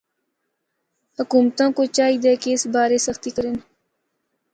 حکومتاں کو چاہیدا کہ اس بارے سختی کرن۔